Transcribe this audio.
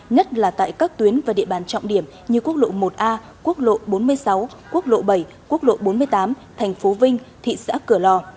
nhất là tại các tuyến và địa bàn trọng điểm như quốc lộ một a quốc lộ bốn mươi sáu quốc lộ bảy quốc lộ bốn mươi tám thành phố vinh thị xã cửa lò